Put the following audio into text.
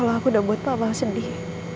kalau aku udah buat papa sedih